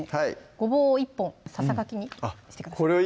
ごぼうを１本ささがきにしてください